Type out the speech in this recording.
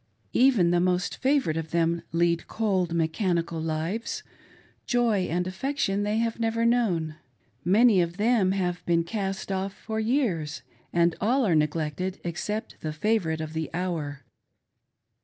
Even the most favored of thera lead cold, mechanical lives ; joy and affection they have never known. Many of them have been cast off for years, and all are neglected except the favorite, of the hour.